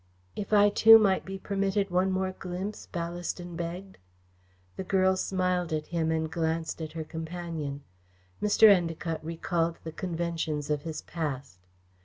"If I too might be permitted one more glimpse," Ballaston begged. The girl smiled at him and glanced at her companion. Mr. Endacott recalled the conventions of his past.